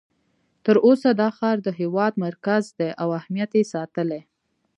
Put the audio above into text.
تر اوسه دا ښار د هېواد مرکز دی او اهمیت یې ساتلی.